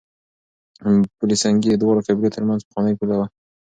پل سنګي د دواړو قبيلو ترمنځ پخوانۍ پوله وه.